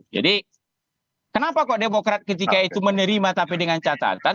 jadi kenapa kok demokrat ketika itu menerima tapi dengan catatan